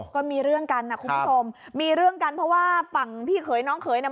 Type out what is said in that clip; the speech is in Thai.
ก็มีเรื่องกันนะคุณผู้ชมมีเรื่องกันเพราะว่าฝั่งพี่เขยน้องเขยเนี่ย